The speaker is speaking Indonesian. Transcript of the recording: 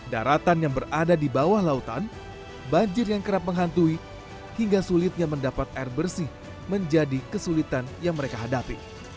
daratan yang berada di bawah lautan banjir yang kerap menghantui hingga sulitnya mendapat air bersih menjadi kesulitan yang mereka hadapi